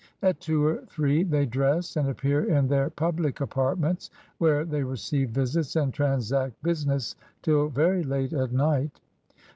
At two or three they dress, and appear in their pubUc apartments, where they receive visits and transact business till very late at night.